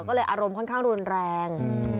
ก็เลยอารมณ์ค่อนข้างรุนแรง